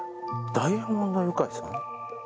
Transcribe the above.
ダイアモンドユカイさん？